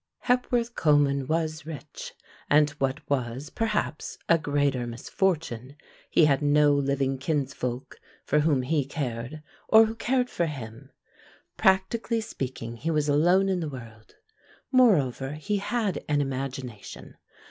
Hepworth Coleman was rich, and what was, perhaps, a greater misfortune, he had no living kinsfolk for whom he cared or who cared for him. Practically speaking, he was alone in the world: moreover, he had an imagination.